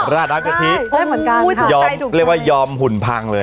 ราดน้ำกะทิโอ้ยเหมือนกันยอมเรียกว่ายอมหุ่นพังเลย